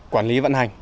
quản lý vận hành